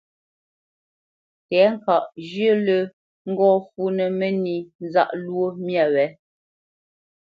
Tɛ̌ŋkaʼ zhyə̂ lə́ ŋgɔ́ fǔnə́ mə́nī nzáʼ lwó myâ wě,